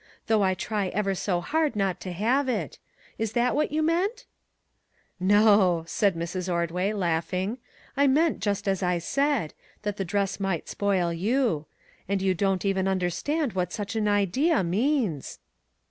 though I try ever so hard not to have it. Is that what you meant ?" "No," said Miss Ordway, laughing; "I meant just as I said, that the dress might spoil you ; and you don't even understand what such an idea means